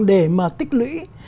để mà tích lũy